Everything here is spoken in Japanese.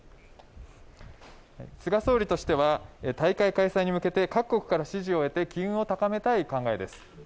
菅総理としては大会開催に向けて各国から支持を得て機運を高めたい考えです。